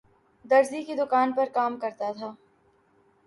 درزی کی دکان پرکام کرتا تھا